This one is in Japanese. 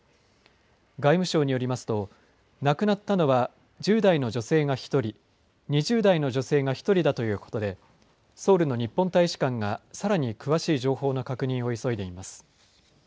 外務省によりますと亡くなったのは１０代の女性が１人２０代の女性が１人だということでソウルの日本大使館がさらに詳しい情報の確認を急いでいます。